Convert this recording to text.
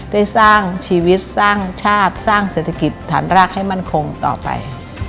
ได้สร้างชีวิตสร้างชาติสร้างเศรษฐกิจฐานรากให้มั่นคงต่อไป